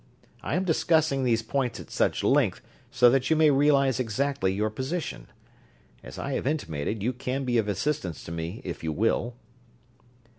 I am discussing these points at such length so that you may realize exactly your position. As I have intimated, you can be of assistance to me if you will."